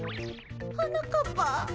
はなかっぱ。